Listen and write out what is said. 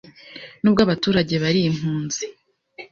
Nubwo abaturage bari impunzi,